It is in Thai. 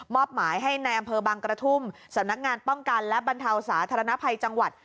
อบหมายให้ในอำเภอบางกระทุ่มสำนักงานป้องกันและบรรเทาสาธารณภัยจังหวัด